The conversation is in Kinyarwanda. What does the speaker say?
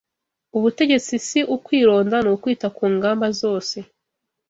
Ubutegetsi si ukwironda ni ukwita ku ngamba zose